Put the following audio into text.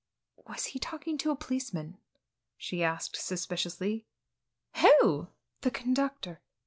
"Was he talking to a policeman?" she asked suspiciously. "Who?" "The conductor."